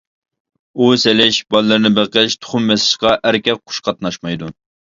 ئۇۋا سېلىش، بالىلىرىنى بېقىش تۇخۇم بېسىشقا ئەركەك قۇش قاتناشمايدۇ.